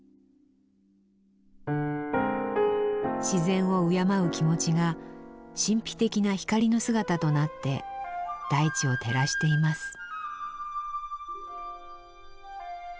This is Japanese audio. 自然を敬う気持ちが神秘的な光の姿となって大地を照らしています。